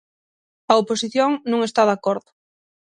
A oposición non está de acordo.